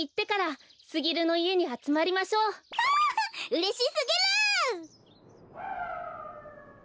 うれしすぎる！